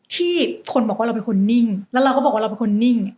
ที่คนบอกว่าเราเป็นคนนิ่งแล้วเราก็บอกว่าเราเป็นคนนิ่ง